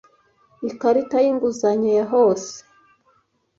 Ikarita y'inguzanyo ya hose